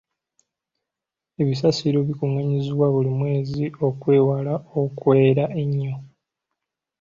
Ebisasiro bikungaanyizibwa buli mwezi okwewala okuwera ennyo.